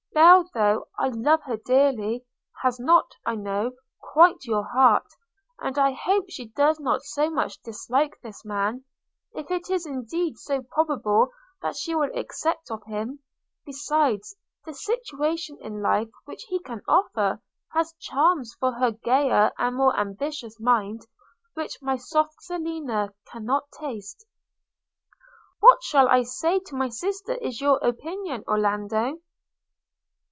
Belle, though I love her dearly, has not, I know, quite your heart; and I hope does not so much dislike this man, if it is indeed so probable that she will accept of him – Besides, the situation in life which he can offer, has charms for her gayer and more ambitious mind, which my soft Selina cannot taste.' 'What shall I say to my sister is your opinion, Orlando?'